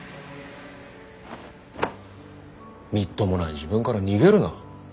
みっともない自分から逃げるな。